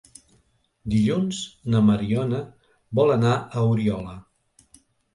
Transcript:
Dilluns na Mariona vol anar a Oriola.